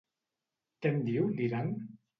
Què en diu, l'Iran?